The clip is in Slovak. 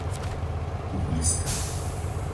Uhliská